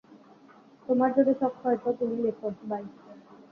তোমার যদি শখ হয় তো তুমি লেখো, বাই।